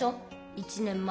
１年前。